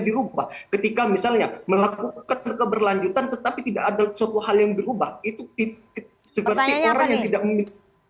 dirubah ketika misalnya melakukan keberlanjutan tetapi tidak ada suatu hal yang berubah itu seperti